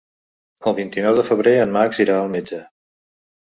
El vint-i-nou de febrer en Max irà al metge.